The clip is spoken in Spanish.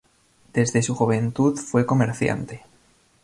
Desde su juventud fue comerciante.